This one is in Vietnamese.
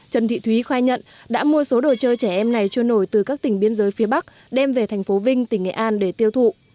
trần thị thúy khai nhận đã mua số đồ chơi trẻ em này trôi nổi từ các tỉnh biên giới phía bắc đem về thành phố vinh tỉnh nghệ an để tiêu thụ